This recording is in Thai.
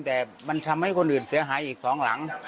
แต่มันทำให้คนอื่นเสียหายอีกสองหลัง